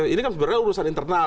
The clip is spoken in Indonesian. ini kan sebenarnya urusan internal